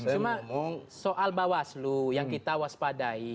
cuma soal bawaslu yang kita waspadai